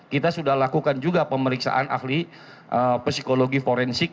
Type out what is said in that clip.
kita sudah lakukan juga pemeriksaan ahli psikologi forensik